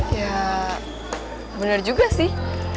ya bener juga sih